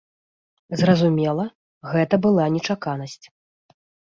Зразумела, гэта была нечаканасць.